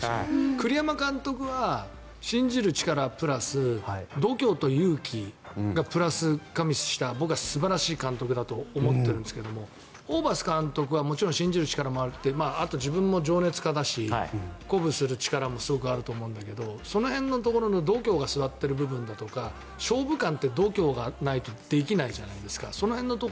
栗山監督は信じる力プラス度胸と勇気がプラス加味した僕は素晴らしい監督だと思ってるんですけどホーバス監督はもちろん信じる力もあってあと、自分も情熱家だし鼓舞する力もすごくあると思うんだけどその辺の度胸が据わっているところとか勝負勘って、度胸がないとできないじゃないですか。